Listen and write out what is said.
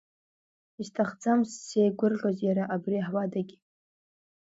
Исҭахӡам сзеигәырӷьоз иара абри ҳуадагьы.